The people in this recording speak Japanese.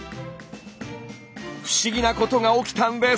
不思議なことが起きたんです。